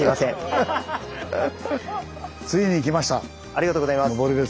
ありがとうございます。